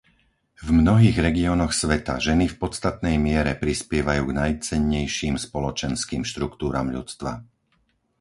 V mnohých regiónoch sveta ženy v podstatnej miere prispievajú k najcennejším spoločenským štruktúram ľudstva.